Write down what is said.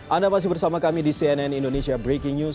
anda masih bersama kami di cnn indonesia breaking news